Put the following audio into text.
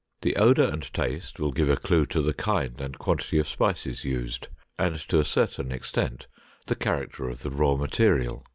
The odor and taste will give a clue to the kind and quantity of spices used and to a certain extent the character of the raw material.